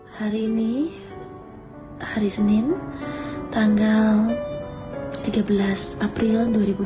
hari ini hari senin tanggal tiga belas april dua ribu dua puluh